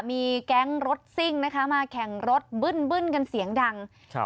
มีแก๊งรถซิ่งนะคะมาแข่งรถบึ้นบึ้นกันเสียงดังครับ